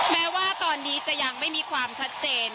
แม้ว่าตอนนี้จะยังไม่มีความชัดเจน